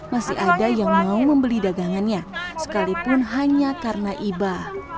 masih ada yang mau membeli dagangannya sekalipun hanya karena iba